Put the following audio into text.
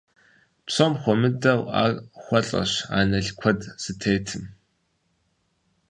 Псом хуэмыдэу, ар хуэлъэщ анэл куэд зытетым.